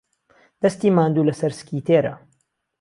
دەستی ماندوو لەسەر سکی تێرە